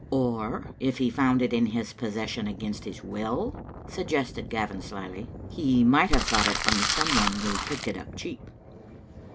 Or if he found it in his possession against his will?" suggested Gavin, slyly. "He might have got it from some one who picked it up cheap."